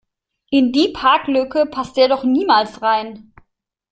In die Parklücke passt der doch niemals rein!